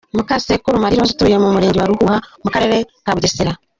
Mukasekuru Marie Rose, atuye mu Murenge wa Ruhuha mu Karere ka Bugesera.